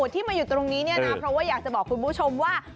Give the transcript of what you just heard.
ที่มาอยู่ตรงนี้เนี่ยนะเพราะว่าอยากจะบอกคุณผู้ชมว่า